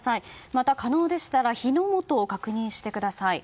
また可能でしたら火の元を確認してください。